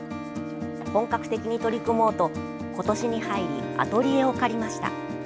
本格的に取り組もうと今年に入りアトリエを借りました。